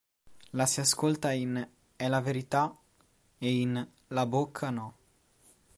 La si ascolti in "È la verità" e in "La bocca no".